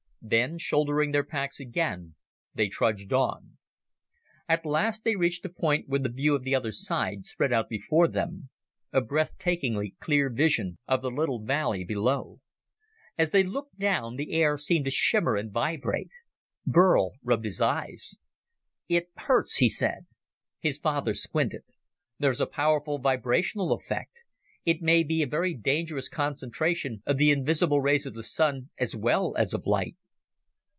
Then, shouldering their packs again, they trudged on. At last they reached a point where the view of the other side spread out before them a breathtakingly clear vision of the little valley below. As they looked down, the air seemed to shimmer and vibrate. Burl rubbed his eyes. "It hurts," he said. His father squinted. "There's a powerful vibrational effect. It may be a very dangerous concentration of the invisible rays of the Sun as well as of light."